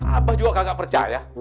abah juga kagak percaya